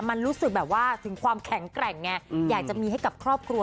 มันรู้สึกแบบว่าถึงความแข็งแกร่งไงอยากจะมีให้กับครอบครัว